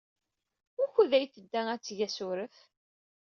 Wukud ay tedda ad teg asurf?